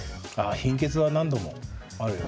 貧血は何度もあるよ。